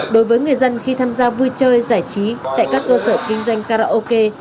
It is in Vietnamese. đối với người dân khi tham gia vui chơi giải trí tại các cơ sở kinh doanh karaoke